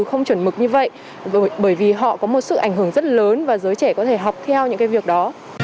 không chuẩn mực như vậy bởi vì họ có một sự ảnh hưởng rất lớn và giới trẻ có thể học theo những cái việc đó